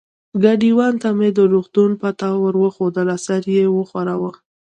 ګاډیوان ته مې د روغتون پته ور وښوول، سر یې و ښوراوه.